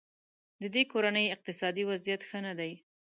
ددې کورنۍ اقتصادي وضیعت ښه نه دی.